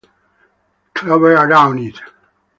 Clover around it.